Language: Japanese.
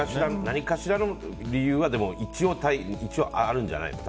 何かしらの理由は一応あるんじゃないの？